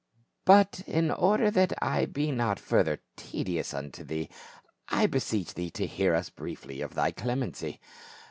* But in order that I be not further tedious unto thee, I beseech thee to hear us briefly of thy clemency.